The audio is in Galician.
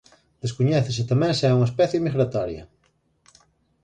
Descoñécese tamén se é unha especie migratoria.